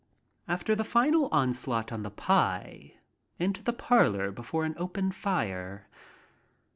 After the final onslaught on the pie, into the parlor before an open fire.